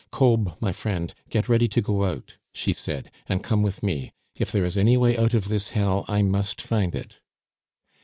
"Kolb, my friend, get ready to go out," she said, "and come with me; if there is any way out of this hell, I must find it."